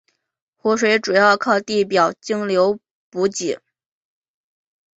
湖水主要靠地表径流补给。